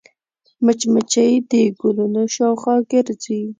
مچمچۍ د ګلونو شاوخوا ګرځي